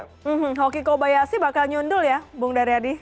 hoki kobayashi bakal nyundul ya bung daryadi